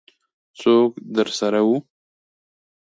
څوک درسره وو؟